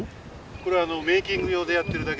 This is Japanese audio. これはメーキング用でやってるだけでですね